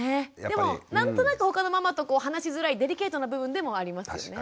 でも何となく他のママと話しづらいデリケートな部分でもありますよね。